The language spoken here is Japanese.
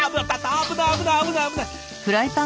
危ない危ない危ない危ない！